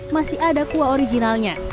masih ada kuah originalnya